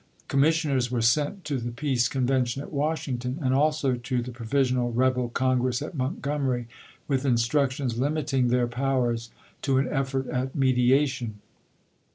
Commissioners were sent to the peace convention at Washington, and also to the provi sional rebel Congress at Montgomery, with instruc tions limiting their powers to an effort at mediation.